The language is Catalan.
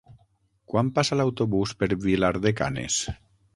Quan passa l'autobús per Vilar de Canes?